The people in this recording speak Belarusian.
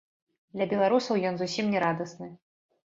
Для беларусаў ён зусім не радасны.